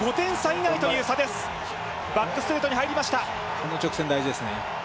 この直線、大事ですね。